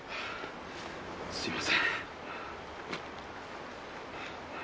すいません。